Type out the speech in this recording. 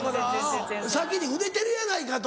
先に売れてるやないかと。